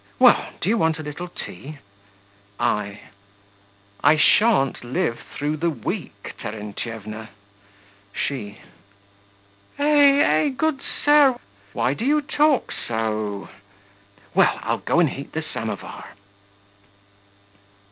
Well, do you want a little tea? I. I shan't live through the week, Terentyevna! SHE. Eh, eh! good sir, why do you talk so?... Well, I'll go and heat the samovar.